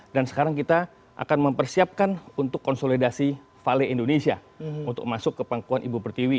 dan sekarang kita akan mempersiapkan untuk konsolidasi free port